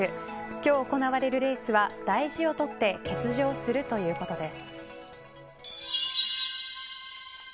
今日行われるレースは大事をとって欠場するということです。